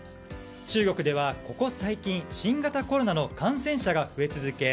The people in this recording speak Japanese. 中国では、ここ最近新型コロナの感染者が増え続け